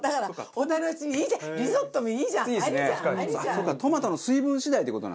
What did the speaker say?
そうかトマトの水分次第っていう事なんですね。